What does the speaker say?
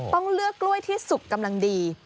ต้องเลือกกล้วยที่สุกกำลังดี